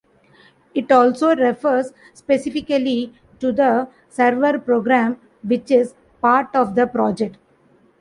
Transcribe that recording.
It also refers specifically to the server program which is part of the project.